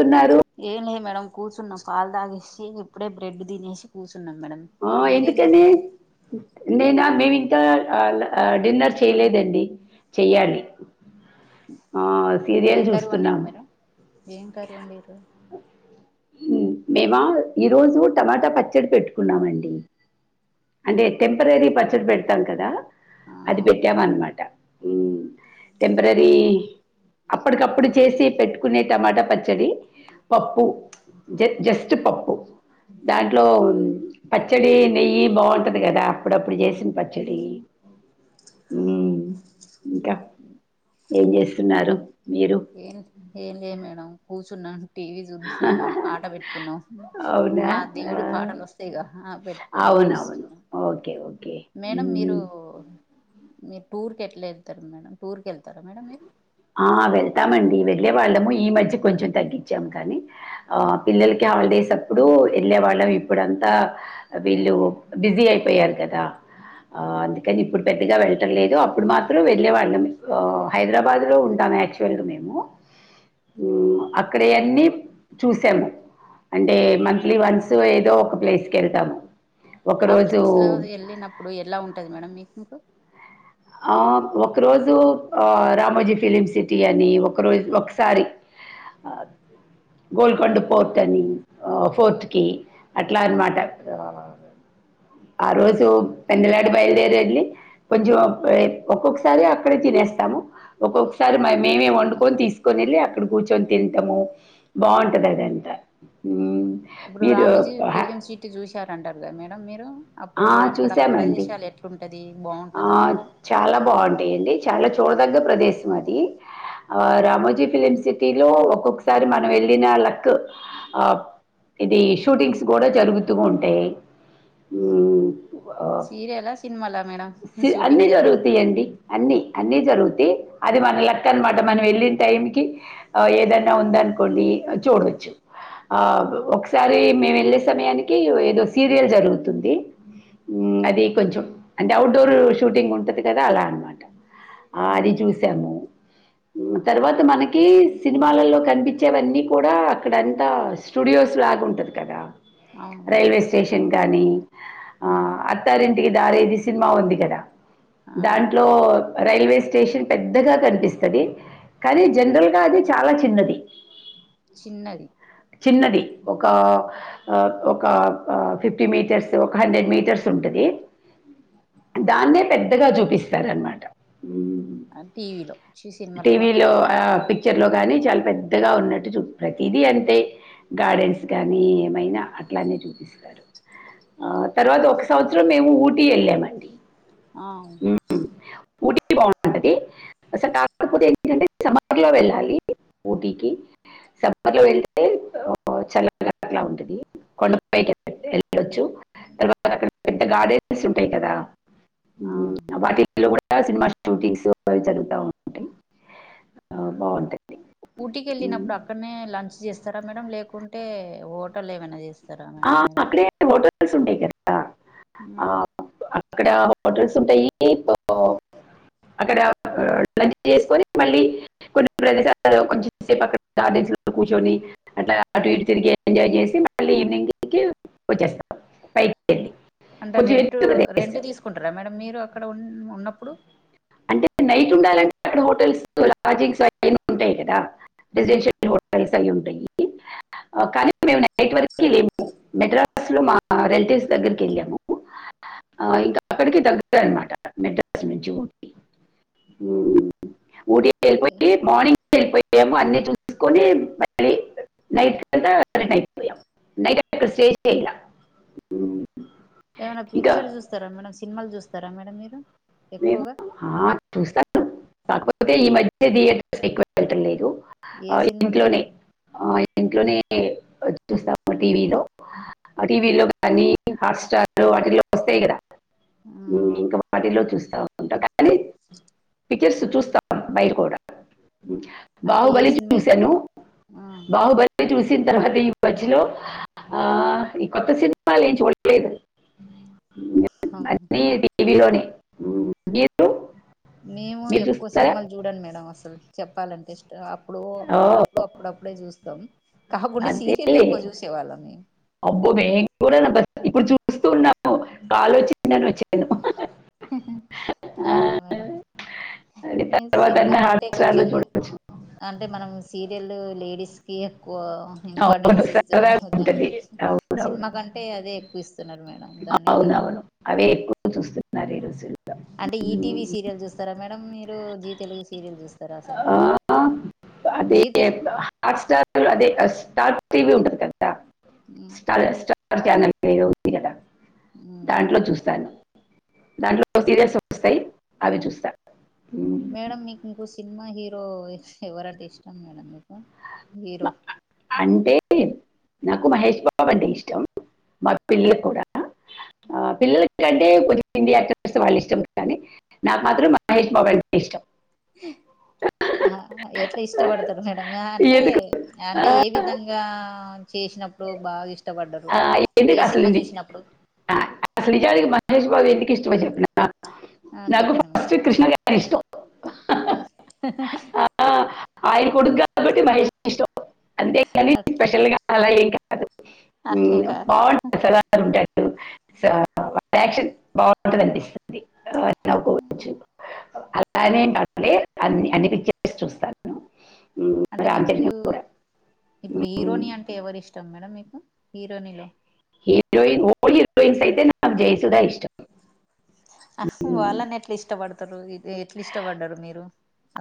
ఉన్నారు ఏం లెదు మేడమ్ కూర్చున్నా పాలు తాగేసి ఇప్పుడే బ్రెడ్ తినేసి కూర్చు స్తున్నాం మేడం మీరేం చేస్తుారు నేను మేమి ఇంకా డిన్నర్ చేయలేదండి చెయ్యాలి ఆ, ఏం సీరియల్ కర్రీ వండినావు చూస్తున్నాము మేడం ఏం కర్రీ వండిరః మేమా ఈరోజు టమాటా పచ్చడి పెట్టుకున్నామండి అంటే టెంపరరీ పచ్చడి పెడతాం కదా ఆ అది పెట్టా అవును మన్నమాట టెంపరరీ అప్పటికప్పుడు చేసి పెట్టుకునే టమాటా పచ్చడి పప్పు జ జస్ట్ పప్పు దాంట్లో పచ్చడి నెయ్యి బాగుంటది కదా అప్పుడప్పుడు చేసిన పచ్చడి ఇంకా ఏం చేస్తున్నారు మీరు ఏ ఏ లే మేడం కూ ఉన్నాను టీవీ చూస పాట పెట్టుకున్నాం అవునా మా ఆ దేవుడు పాటలు వస్తాయిగా పెట్టుకొని అవునవును చూస్తున్నాం ఓకే ఓకే మేడం మీరు ఉమ్ మీరు టూర్ కెట్లా వెళ్తారు మేడంమ్ టూర్ కి వెళ్తారా మేడం మీరు ఆ వెళ్తామండి వె వెళ్ళే వాళ్ళము ఈ మధ్య కొంచం తగ్గించాంము కాని ఆ పిల్లలకి హాలిడేస్ అప్పుడు వెళ్ళే వాళ్ళం ఇప్పుడంతా వీళ్ళు బిజీ అయిపోయారు కదా అందుకని ఇప్పుడు పెద్దగా వెళ్ళటం లేదు అప్పుడు మాత్రం వెళ్ళే వాళ్ళం హైదరాబాద్ లో ఉంటాము యాక్చువల్ మేము అక్కడ అన్నీ చూసాము అంటే మంత్లీ వన్స్ ఏదో ఒక ప్లేస్కి వెళ్తాము ఆ ఒకరోజు ప్లేస్ లో వెళ్ళినప్పుడు ఎలా ఉంటది మేడం మీకు ఆ ఒక రోజు ఆ రామోజీ ఫిలిమ్ సిటీ అని ఒక రోజు ఒకసారి గోల్కొండ పోర్ట్ అని ఫోర్ట్ కి అట్లా అనమాట ఆ రోజు పెందలాడు బయలుదేర వెళ్ళి కొంచెం ఒక్కొక్కసారి అక్కడే తినేస్తాము ఒక్కొక్కసారి మేమే వండుకొని తీసుకొని వెళ్ళి అక్కడ కూర్చొని తింటాము బాగుంటది అదంతా ఉమ్ ఇప్పుడు రామజీ ఫిలిం సీట్ చూశారు అంటారు కదా మేడం మీరు అప్పుడు ఆ, అక్కడ చూసామండి ప్రదేశాలు ఎట్లుంటది బాగుంటదా డి చాలా చూడదగ్గ ప్రదేశం అది ఆ రామోజీ ఫిలిమ్ సిటీ లో ఒక్కొక్కసారి మనం వెళ్ళిన లక్ ఆ ఇది షూటింగ్స్ కూడా జరుగుతూ ఉంటాయి ఉమ్ ఉమ్ బో సీరియలా సినిమాలా మేడం స్ అన్ని షూటింగ్ జరిగేది దొరుకుతాయండి అన్ని అన్నీ జరుగుతయి అది వాళ్ళ లక్ అనమాట మనం వెళ్ళిన టైంకి ఏదన్నా ఉందనుకోండి చూడవచ్చు ఆ ఒకసారి మేము వెళ్ళే సమయానికి ఏదో సీరియల్ జరుగుతు ఉంది అది కొంచెం అంటే అవుట్డోర్ షూటింగ్ ఉంటది కదా అలా అనమాట ఆ అది చూసాము తర్వాత మనకి సినిమాలలో కనిపించేవన్నీ కూడా అక్కడ అంతా స్టూడియోస్ లాగా ఉంటది కదా అవును మేడం రైల్వే స్టేషన్ టెంగని ఆ అత్తారింటికి దారేది సినిమా ఉంది కదా ఆ దాంట్లో రైల్వే స్టేషన్ పెద్దగా కనిపిస్తుంది కానీ జనరల్ గా అది చాలా చిన్నది చిన్నది చిన్నది ఒక ఒక ఫిఫ్టీ మీటర్స్ ఒక హండ్రెడ్ మీటర్స్ ఉంటది దాన్నే పెద్దగా చూపిస్తారనమాట హ్మ్. టీవీలో చి సినిమాలో చర్లో కానీ చాలా పెద్దగా ఉన్నట్టు చూ ప్రతిదీ అంతే గార్డెన్స్ కానీ ఏమైనా అట్లానే చూపిస్తారు ఆ తర్వాత ఒక సంవత్సరం మేము ఊటీ వెళ్ళామండి ఆవు బాగుంటుంది అసలు కాకపోతే ఏంటే సమ్మర్లో వెళ్ళాలి ఊటీకి సమ్మర్లో వెళ్తే చల్లగా అట్లా ఉంటుంది కొండపైకి వెళ్ళొచ్చు తర్వాత అక్కడ పెద్ద గార్డెన్స్ ఉంటాయి కదా ఆ ఉమ్ వాటి ఊటీలో కూడా సినిమా షూటింగ్స్ అవి జరుగుతా ఉంటాయి బాగుంటాయి ఊటీకి వెళ్ళినప్పుడు అక్కడనే లంచ్ చేస్తారా మేడం లేక కుంటే ఓటల్లో ఏమైనా చేస్త తరా మేడం మీరు టెల్స్ ఉంటాయి కదా ఆ, ఉమ్ అక్కడ హోటల్స్ ఉంటాయి అక్కడ లంచ్ చేసుకొని మళ్ళీ కొన్ని ప్రదేశాలు కొంచం సేపు అక్కడ గార్డెన్స్ కూర్చొని అట్లా అటు ఇటు తిరిగి ఎంజాయ్ చేసి మళ్ళీ ఈవినింగ్ టైమ్ కి వచ్చేస్తాం బైటకి అంటే రెంట్ రెంటు తీసుకుంటారా మేడం మీరు అక్కడ ఉ ఉన్నప్పుడు అంటే నైట్ ఉండాలంటే [unintelligible] ఉంటాయి కదా రెసిడెన్షియల్ హోటల్స్ అవి ఉంటాయి కానీ మేము నైట్ వరకి మెడ్రాస్ లో మా రిలటివ్స్ దగ్గరికి వెళ్ళాము ఇంకా అక్కడికి దగ్గర అనమాట మెడ్రాస్ నుంచి ఊటీ ఊటీ వెళ్ళిపోయి మార్నింగ్ వెళ్ళిపోయాము అన్ని చూసుకోని మళ్ళీ నైట్కి అంతా రిటర్న్ అయిపోయాము నైట్ అక్కడ స్టే చేయలే ఉమ్ ఏమైనా పిక్చర్ చూస్తారా మేడం సినిమాలు చూస్తారా మేడం మీరు నేను ఎక్కువగా ఆ చూస్తాను కాకపోతే ఈ మధ్య థియేటర్స్ ఎక్కువ వెళ్ళటం లేదు ఏ ఆ సినిమాలు చూ ఇంట్లోనే ఆ ఇంట్లోనే చూస్తాము టీవీలో ఆ టీవీలో కానీ హాట్స్టార్ వాటిల్లో వస్తాయి కదా ఉమ్ ఇంకా వాటిలో చూస్తా ఉంటం కానీ పిక్చర్స్ చూస్తాం బయట కూడా అంటే ఏ బాహుబలి సినిమా ఎక్కువ చూశాను బాహుబలి చూసి తర్వాత ఈ మధ్యలో ఆ ఈ కొత్త సినిమాలు ఏం చూడలేదు హా ఉమ్ మీరు మేము మీరు ఎక్కువ చూస్తారా సినిమాలు చూడాన్ మేడం అసలు చెప్పాలంటే అప్పుడు ఓ అప్పుడప్పుడు అప్పుడప్పుడే చూస్తాం కాకుండా సీరియల్ అంతేలే ఎక్కువ చూసేవాళ్ళం మేము అబ్బో మేం కూడా [unintelligible] ఇప్పుడు చూస్తూ ఉన్నాము కాలేజీలోనే [unintelligible] హూ హూ అలాగా మేడం అది తర్వాత అన్న సినిమాలు అంటే హాట్స్టార్ లో కొంచెం చూడొచ్చు అంటే మనం సీరియల్ లేడీస్ కి ఎక్కువ అవును ఇంపార్టెన్స్ సరదాగా ఇస్తున్నాము ఉంటది దానికి అవునవును సినిమా కంటే అదే ఎక్కువ ఇస్తున్నారు మేడం దానికి అవునవును అవే ఎక్కువ చూస్తున్నారు ఈ రోజు అంటే ఈటీవీ సీరియల్ చూస్తారా మేడం మీరు జీ తెలుగు సీరియల్ చూస్త ఆ అదే జీ తె హాట్ స్టార్ అదే స్టార్ టీవీ ఉంటది కదా మ్మ్ స్ట స్టార్ [unintelligible] చానల్ ఏదో ఉంది కదా మ్మ్ దాంట్లో చూస్తాను దాంట్లో సీరియల్స్ వస్తాయి అవి చూస్తా ఉమ్, మేడం మీకు ఖుషి సినిమా హీరో ఎవరంటే ఇష్టం మేడం మీకు హీరో అంటే నాకు మహేష్ బాబు అంటే ఇష్టం మా పిల్లకి కూడా ఆ ఆ పిల్లలకి ఎందుకంటే కొద్దిగా హిందీ యాక్టర్స్ వాళ్ళు ఇష్టం కానీ నాకు మాత్రం మహేష్ బాబు అంటే ఇష్టం ఆ ఎట్లా ఆ, ఇష్టపడతారు మేడం అంటే ఎందుకు ఆ, అంటే ఏవి విధంగా చేసినప్పుడు బాగా ఇష్ ఆ ఎందుకు అసలుండి ఆ అసలు నిజానికి మహేష్ బాబు ఎందు కి ఇష్టమో చెప్పండి నాక్ ఆ చెప్పండి మేడం ఇష్టం ఆ ఆ, ఆయన కొడుకు కాబట్టి మహేష్ ఇష్టం అంతే కాని అట్ స్పెషల్ గా అలా ఏం కాదు అట్లే మ్మ్ కాదు బాంటది [unintelligible] [unintelligible] ఫ్యాషన్ బాగుంటదండి ఆ నాకు వచ్చు అలానే అండి అన్ని అన్ని పిచ్చర్స్ చూస్తాను మ్మ్, అంటే రామ్ మీక్యు చరణ్ కూడా ఇప్పుడు మ్మ్, హీరోని అంటే ఎవరిష్టం మేడం మీ హ్హ హీరోయిన్ ఓ [unintelligible] హీరోయిన్స్ అయితే నాకు జైసుధా ఇష్టం అఫ్ మ్మ్, వాళ్ళని ఎట్లా ఇష్టపడతారు ఎట్లు ఇష్టపడ్డారు మీరు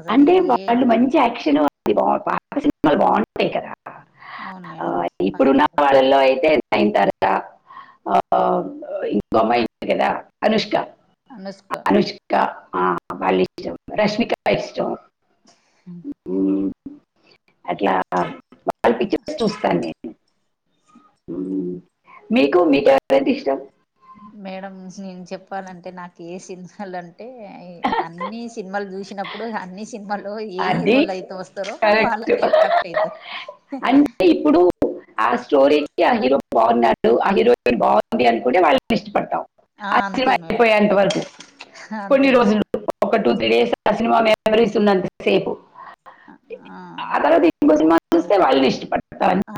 అసలు అంటే ఏ వాళ్ళు మంచి యాక్షన్ [unintelligible] సినిమాల్ బాంటయ్ కదా అవును ఆ మేడం పాత ఇప్పుడున్న వాళ్ళల్లో అయితే నయిన్ తార ఆ ఇంకో అమ్మాయి ఉంది కదా అనుష్క అనుష్క అనుష్క ఆ వాళ్ళు ఇష్టం రష్మిక ఇష్టం హ్మ్ ఉమ్, అట్లా వాళ్ళ పిచర్స్ చూస్తాను నేను అమ్మో మ్మ్. మీకు మీకు ఎవరంటె ఇష్టం మేడం నేను చెప్పాలంటే నాకి ఏ సింహాలన్ అంటే అన్ని సినిమాలు చూసినప్పుడు అన్ని సింమాల్లోయి ఏ అది హీరోలైతే వస్తరో కరెక్ట్ వాళ్ళకే అట్రాక్ట్ అయితా అంటే ఇప్పుడు ఆ స్టోరీకి ఆ హీరో బాగున్నాడు ఆ హీరోయిన్ బాగుంది అనుకుంటే వాళ్ళని ఇష్టపడతాం. ఆ సినిమా అంతే మేడం అయిపోయేంత వరకు కొన్ని అంతే మేడం రోజులు ఒక టూ త్రీ డేస్ ఆ సినిమా మెమోరీస్ ఉన్నంత సేపు ఆ తర్వాత ఇంకో సినిమా వస్తే వాళ్ళనే ఇష్టపడ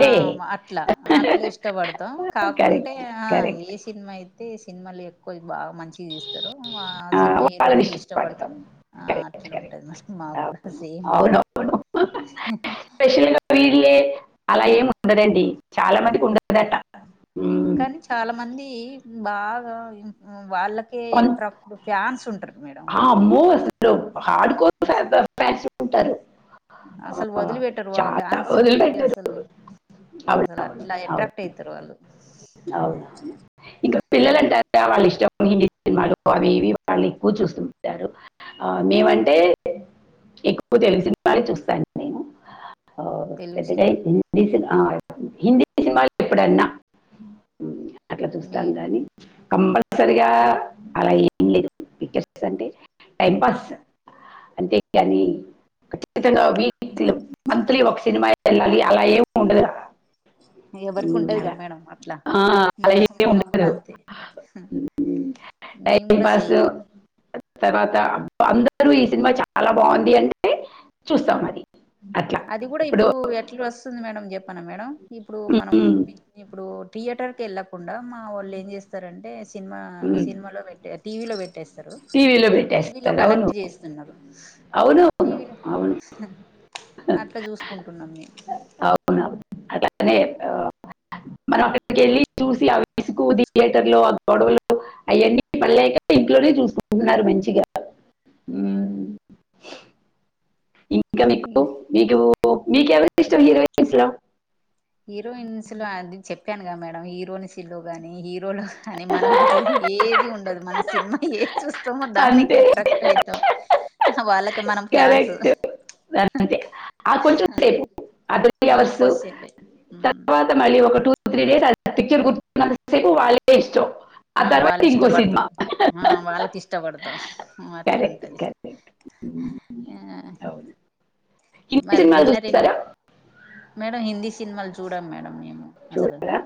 ఆ అట్ల అట్లా ఇష్టపడతాం కాకుంటే కరెక్ట్ ఆ కరెక్ట్ ఏ సినిమా అయి తే సినిమాలు ఎక్కువ బాగ మంచిది తీస్తారు ఆ సినిమా హీరోలకి ఇష్టపడతాం కరెక్ట్ కరెక్ట్ అట్లుంటది మేడం మాక్కూడా సేమ్ అవును మేడం అవును హుహు స్పెషల్ గా వీళ్ళే అలా ఏం ఉండదండి. చాలా మందికి ఉండదట్ట. కానీ చాలా మంది బాగా ఇన్ ఉ వాళ్ళకే కొన్- ప్రాప్ట్ ఫ్యాన్స్ ఉంటారు మేడం ఆ, వాళ్ళకి అమ్మో అసలు హార్డ్ కోర్ ఫ్యాన్స్ ఉంటారు ఆ, అసలు వదిలిపెట్టరు ఆ చాలా ఫ్యాన్స్ కి వదిలి పెట్టారు అసలు అసలు అట్లా అట్రాక్ట్ అయితరు వాళ్ళు అవునవును ఇంక పిల్లలంటారా వాళ్ళ ఇష్టం హిందీ సినిమాలు అవి ఇవి వాళ్ళు ఎక్కువ చూస్తుంటారు. ఆ మేమంటే ఎక్కువ తెలుగు సినిమాలే చూస్తాను నేను హా తెలుగు పెద్దగా సినిమాలు హింది సిన్ ఆ హిందీ సినిమాలు ఎప్పుడన్నా ఊనిగా అట్ల మీ చూస్తాం గాని కంపల్సరిగా అలా ఏం లేదు పిక్చర్ అంటే టైంపాస్ అంతే కానీ ఖచ్చితంగా వీక్లో మంత్లీ ఒక సినిమా వెళ్ళాలి అలా ఏమి ఉండదు ఎవరికి ఉమ్, ఉండదుగా అలా మేడ అట్లా ఆ, అలా ఏం మాకు కూడా ఉండదు అంతే మేం టైం కూడా సే పాస్ తర్వాత అందరూ ఈ సినిమా చాలా బాగుంది అంటే చూస్తాం అది అది కూడా ఇప్పుడు ఎట్ల వస్తుంది మేడం చెప్పనా మేడం ఇప్పుడు మనం పి ఇప్పుడు థియేటర్ కెళ్ళకుండా మా వాళ్ళు ఏం చేస్తారంటే సినిమా సినిమాలో పెట్ టీవీలో పెట్టేస్ స్తరు. టీవీలో టీవీలో పెట్టేస్తారు అవును కనెక్ట్ చేస్తున్నారు అవును అవును టీవిలో అవును అట్ల చూసుకుం కున్నాం మేము అవునవును అద్ అట్నే చెప్పావ్ మనం అక్కడికి వెళ్ళి చూసి ఆ విసుగు థియేటర్లు ఆ గొడవలు అయన్నీ పల్లెక ఇంట్లోనే చూసుకుంటున్నారు మంచిగా మ్మ్ ఇన్ ఇంకా మీకు మేము మీకు ఓ మీకు ఎవరి ఇష్టం హీరోయిన్స్ లో హీరోయిన్స్ లో అది చెప్పానుగా మేడం హీరోని సిల్లు కానీ హీరోలు కాని మనం గు ఏది ఉండదు మన సినిమా ఏ చూస్త తామో దాన్కె అంతే అట్రాక్ట్ అయతామ్ వాళ్ళ కరెక్ట్ అం ఆ కొద్దిసేపే తర్వాత మళ్ళీ ఒక టూ త్రీ డేస్ ఆ పిక్చర్ గుర్తు ఉన్న అంత సేపు వాళ్ళే ఇష్టం ఆ తర్వాత వాళ్ళు ఇంకో సినిమా ఇష్టపడతాం ఆ వాళ్ళకి ఇష్టపడతాం అట్లుంటది ఆ అవును మరి డిన్నర్ ఏంటి మేడం హిందీ సినిమాలు చూడను మేడం నేను మేము అసలు చూడరా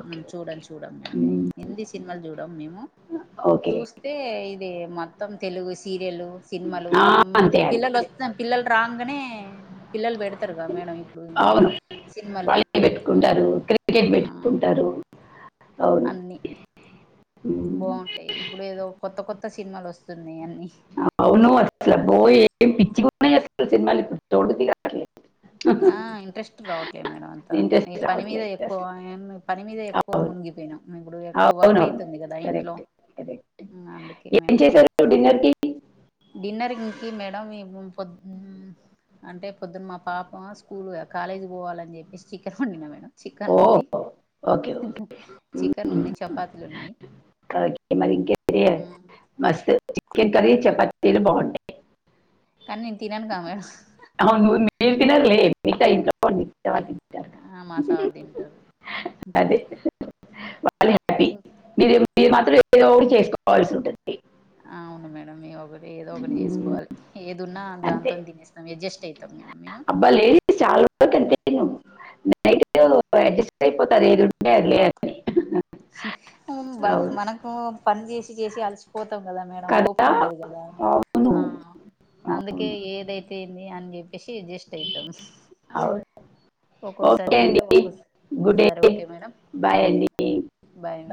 ఓకే మ్మ్ చూడం చూడం మేడం హిందీ సినిమాలు చూడము మేము ఓకే చూస్తే మొత్తం తెలుగు సీరియలు సినిమాలు ఆ, అమ్ అంతే పిల్లలు అంతే వస్త పిల్లలు రంగానే పిల్లలు పెడతారు కద మేడం ఇప్పుడు అవును సినిమాలు వాళ్ళే పెట్టుకుంటారు క్రికెట్ పెట్టుకుంటారు అవును అన్ని ఉమ్, బాగుంటాయి ఇప్పుడు ఏదో కొత్త కొత్త కొత్త సినిమాలు వస్తున్న అవును వసల పో ఏ పిచ్చి ము స సినిమాాలలు ఇప్పుడు తోడుకు [inaudible] ఆ ఇంట్రెస్ట్ రావట్లేదు మేడం అంతా ఈ ఇంట్రెస్ట్ పని మీద రావట్లేదు అసలు ఎక్కువ పని మీద ఎక్కువ అవును మునిగిపోయినా ఇప్పుడు ఎక్కువ అవును వర్క్ అవును అయితుంది కదా ఇంట్లో కరెక్ట్ కరెక్ట్ అందుకే ఏం మేడం చేశారు డిన్నర్ కి? ఇంకి మేడం పొద్ అంటే పొద్దున్న మా పాపం స్కూల్ కాలేజ్ పోవాలని చెప్పేసి చిక్కన వన్ డినా మేడం చికెన్ ఓ ఉంది ఓకే ఓకే చికెన్ ఉమ్, ఉంది చపాతీలు ఉన్నాయి మరి మ చికె క [inaudible] చపాతీలు బాగుంటాయి కానీ నేను తినను కా మేడం అవును నేన్ తిననులే ఏ ట ఇంట్ండి [inaudible] మా సార్ [unintelligible] తింటారు అదే చాల హ్యాపీ మీరు మీరు మాత్రం ఎప్పుడో చేసుకోవాల్సి ఉంటుంది అవును మేడమ్ ఇవగ ఏదో ఒకటి ఉమ్, చేసుకోవాలి ఏదున్నా అంతే దానితో తినేస్తాం ఎడ్జస్ట్ అబ్బా లేడిస్ చాలు ఉ గట్టిగు నైటు రైస్ అయిపోతది ఏది ఉంటే అదిలే అని అవును మనకు పని చేసి చేసి అలసిపోతాం కదా మేడం కదా ఓపిక ఉండదు కదా అవును ఆ అందుకే అవును ఏదై తే అంది అని చెప్పేసి అడ్జస్ట్ అయితాం అవును ఒక్కొక్కసారి ఓకే అండి తింటాం ఒక్కొ గుడ్ డే సరే ఓకే మేడం బాయ్ గుడ్ అండి నైట్ బాయ్